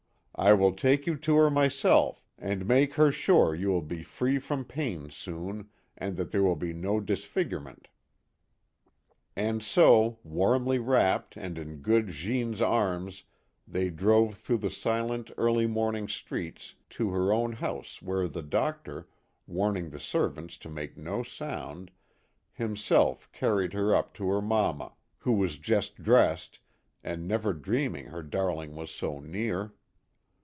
" I will take you to her myself and make her sure you will be free from pain soon, and that there will be no disfigurement." And so, warmly wrapped and in good Jeanne's arms, they drove through the silent early morning streets to her own house where the doctor, warn ing the servants to make no sound, himself car ried her up to her mamma, who was just dressed, and never dreaming her darling was so near.